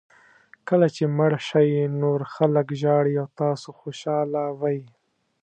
کله چې مړ شئ نور خلک ژاړي او تاسو خوشاله وئ.